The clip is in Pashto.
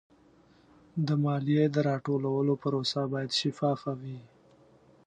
د مالیې د راټولولو پروسه باید شفافه وي.